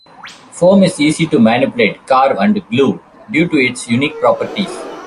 Foam is easy to manipulate, carve and glue, due to its unique properties.